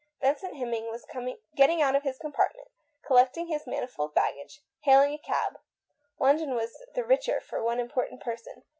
Vincent Hemming was getting out of his compartment, collecting his manifold baggage, hailing a cab. London was the richer for one important person.